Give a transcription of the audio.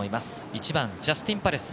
１番、ジャスティンパレス。